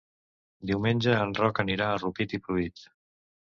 Diumenge en Roc anirà a Rupit i Pruit.